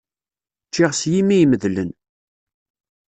Ččiɣ s yimi imedlen.